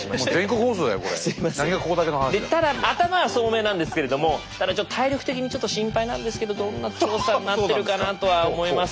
でただ頭は聡明なんですけれどもただちょっと体力的に心配なんですけどどんな調査になってるかなとは思います。